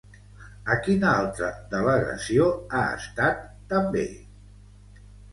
A quina altra delegació ha estat també?